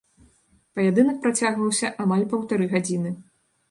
Паядынак працягваўся амаль паўтары гадзіны.